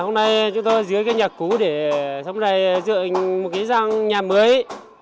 hôm nay chúng tôi dưới cái nhà cũ để xong rồi dựa một cái giang nhà mới